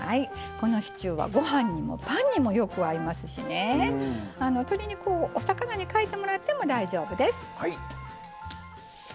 このシチューはご飯にもパンにもよく合いますしね鶏肉をお魚にかえてもらっても大丈夫です。